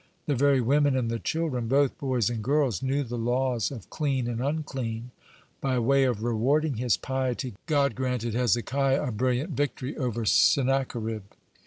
The very women and the children, both boys and girls, knew the laws of "clean and unclean." (50) By way of rewarding his piety, God granted Hezekiah a brilliant victory over Sennacherib.